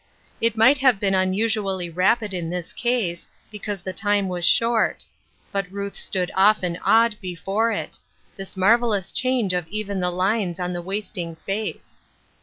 It might have been unusually rapid in this case, because the time was short ; but Ruth stood often awed before it ; this marvelous change of even the lines on the wasting face.